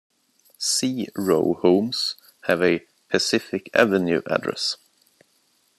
C row homes have a Pacific Avenue address.